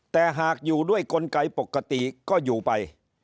แต่หากอยู่ด้วยกลไกปกติก็อยู่ไป